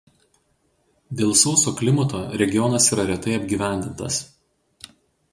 Dėl sauso klimato regionas yra retai apgyvendintas.